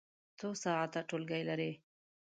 څو ساعته ټولګی لرئ؟